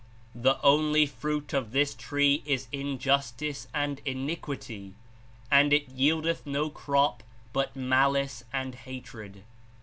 The only fruit of this tree is injustice and Iniquity, and it yieldeth no crop but malice and hatred.